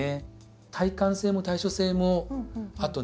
耐寒性も耐暑性もあとね